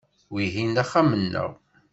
Wihin d axxam-nneɣ.